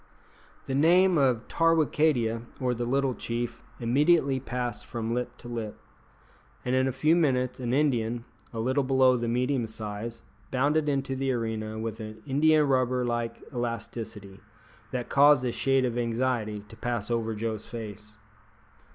The name of Tarwicadia, or the little chief, immediately passed from lip to lip, and in a few minutes an Indian, a little below the medium size, bounded into the arena with an indiarubber like elasticity that caused a shade of anxiety to pass over Joe's face.